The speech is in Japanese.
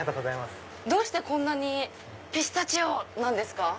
どうしてこんなにピスタチオ！なんですか？